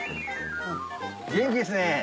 元気ですね